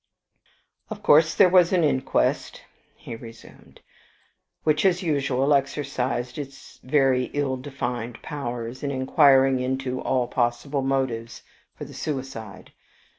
"Of course there was an inquest," he resumed, "which, as usual, exercised its very ill defined powers in inquiring into all possible motives for the suicide.